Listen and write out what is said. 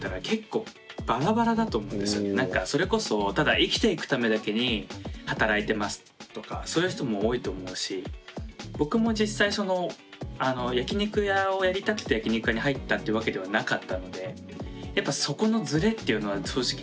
それこそただ生きていくためだけに働いてますとかそういう人も多いと思うし僕も実際焼き肉屋をやりたくて焼き肉屋に入ったってわけではなかったのでやっぱそこのずれっていうのは正直出てきちゃうのかなって思いました。